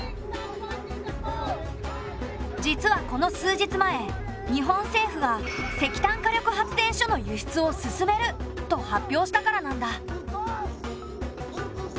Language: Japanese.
実はこの数日前日本政府が石炭火力発電所の輸出を進めると発表したからなんだ。